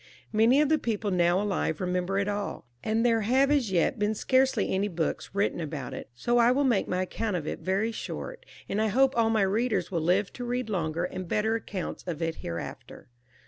Many of the people now alive remember it all, and there have as yet been scarcely any books written about it, so I wiU make my account of it very short, and I hope all my readers will live to read longer and better accounts of it hereafter.